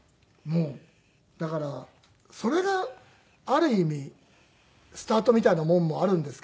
もうだからそれがある意味スタートみたいなもんもあるんですけど。